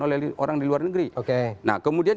oleh orang di luar negeri oke nah kemudian